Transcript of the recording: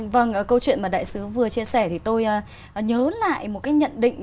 vâng câu chuyện mà đại sứ vừa chia sẻ thì tôi nhớ lại một cái nhận định